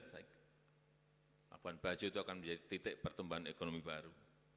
saya kira labuan bajo itu akan menjadi titik pertumbuhan ekonomi baru